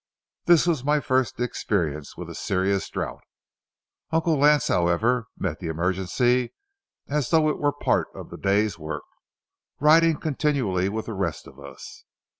This was my first experience with a serious drouth. Uncle Lance, however, met the emergency as though it were part of the day's work, riding continually with the rest of us.